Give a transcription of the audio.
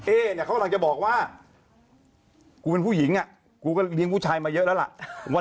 เอ๊เขากำลังจะบอกว่า